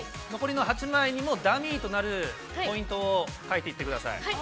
残りの８枚にもダミーとなるポイントを書いてください。